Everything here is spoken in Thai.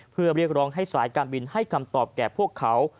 เพื่อเรียกร้องให้สายการบินให้คำตอบแก่พวกเขา